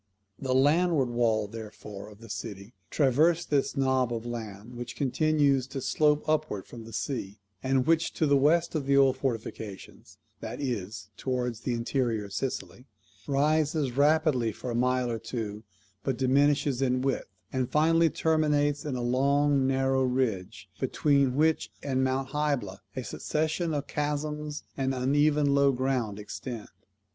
The landward wall, therefore, of the city traversed this knob of land, which continues to slope upwards from the sea, and which to the west of the old fortifications (that is, towards the interior of Sicily) rises rapidly for a mile or two, but diminishes in width, and finally terminates in a long narrow ridge, between which and Mount Hybla a succession of chasms and uneven low ground extend.